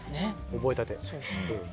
覚えたて。